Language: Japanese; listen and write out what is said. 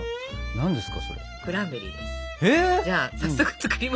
何ですか？